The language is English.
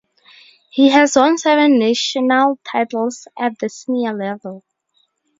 He has won seven national titles at the senior level.